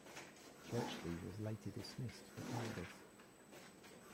Churchley was later dismissed for cowardice.